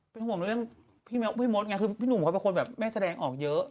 เป็นห่วงเรื่องพี่มดไงคือพี่หนุ่มเขาเป็นคนแบบไม่แสดงออกเยอะ